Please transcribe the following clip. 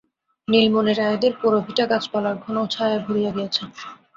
নীলমণি রায়েদের পোড়ো ভিটা গাছপালার ঘন ছায়ায় ভরিয়া গিয়াছে।